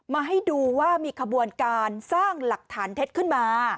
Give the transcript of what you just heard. มาให้ดูว่ามีขบวนการสร้างหลักฐานเท็จขึ้นมา